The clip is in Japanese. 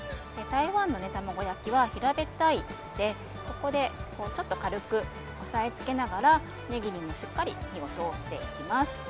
台湾のたまご焼きは平べったいのでここでちょっと軽く押さえつけながらねぎにもしっかり火を通していきます。